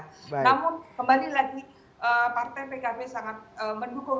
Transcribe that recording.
namun kembali lagi partai pkb sangat mendukung